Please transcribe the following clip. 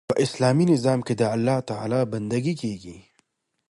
په اسلامي نظام کښي د الله تعالی بندګي کیږي.